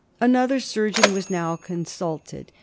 Another surgeon was now consulted.